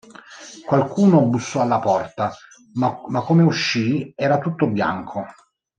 Qualcuno bussò alla porta, ma come uscì era tutto bianco.